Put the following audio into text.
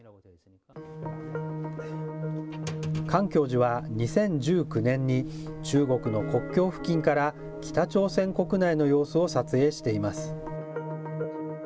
カン教授は２０１９年に、中国の国境付近から北朝鮮国内の様子を撮影しています。